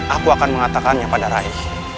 aku akan mengatakannya pada rais